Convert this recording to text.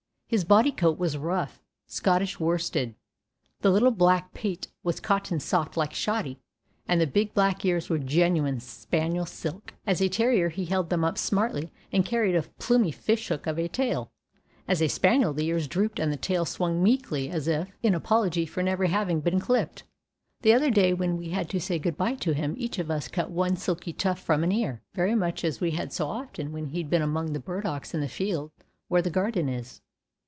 His body coat was rough Scottish worsted, the little black pate was cotton soft like shoddy, and the big black ears were genuine spaniel silk. As a terrier he held them up smartly and carried a plumy fishhook of a tail; as a spaniel the ears drooped and the tail swung meekly as if in apology for never having been clipped. The other day when we had to say good by to him each of us cut one silky tuft from an ear, very much as we had so often when he'd been among the burdocks in the field where the garden is.